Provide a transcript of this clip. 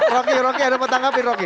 rocky rocky ada mau tanggapin rocky